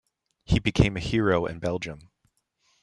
He became a hero in Belgium.